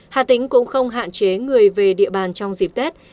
hạ tính cũng không hạn chế người về địa bàn trong dịp tết